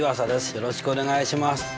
よろしくお願いします。